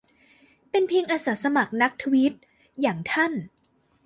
เป็นเพียงอาสาสมัครนักทวีต อย่างท่าน